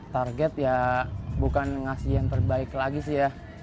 target ya bukan ngasih yang terbaik lagi sih ya